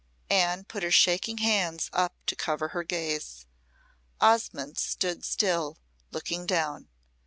Anne put her shaking hands up to cover her gaze. Osmonde stood still, looking down.